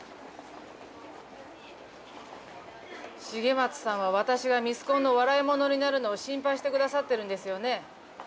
重松さんは私がミスコンの笑い者になるのを心配してくださってるんですよね。